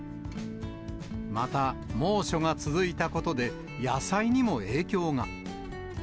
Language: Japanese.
また、猛暑が続いたことで、野菜にも影響が。